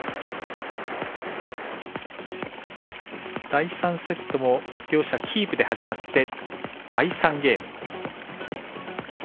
第３セットも両者キープで始まって第３ゲーム。